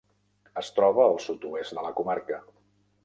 Es troba al sud-oest de la comarca.